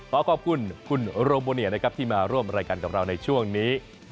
ขอขอบคุณคุณโรโมเนียนะครับที่มาร่วมรายการกับเราในช่วงนี้